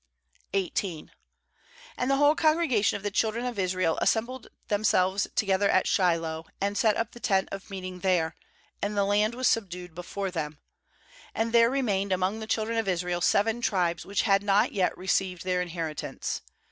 1 Q And the whole congregation of the children of Israel assembled themselves together at Shiloh, and set up the tent of meeting there; and the knd was subdued before them. 2And there remained among the chil dren of Israel seven tribes, which had not yet received their inheritance.